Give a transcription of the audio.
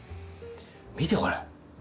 見てこれ。